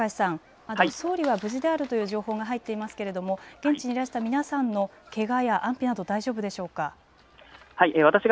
高橋さん、総理は無事であるという情報は入ってますが現地にいらした皆さんのけがや安否など大丈夫でしょうか。